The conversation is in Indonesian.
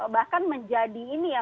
bahkan menjadi ini ya